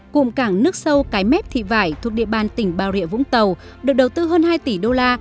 cụm cảng nước sâu cái mép thị vải thuộc địa bàn tỉnh bà rịa vũng tàu được đầu tư hơn hai tỷ đô la